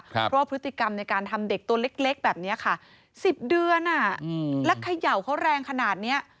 เพราะว่าพฤติกรรมในการทำเด็กตัวเล็กแบบนี้ค่ะ๑๐เดือนแล้วเขย่าเขาแรงขนาดนี้